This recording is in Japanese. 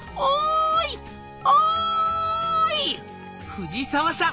藤沢さん